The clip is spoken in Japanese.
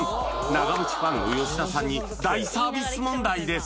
長渕ファンの吉田さんに大サービス問題です